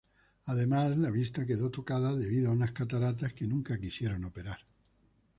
Además, la vista quedó tocada debido a unas cataratas que nunca quisieron operar.